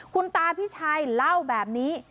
คุณตาพี่ชัยเล่าแบบนี้